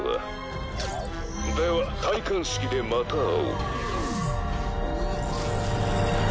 「では戴冠式でまた会おう」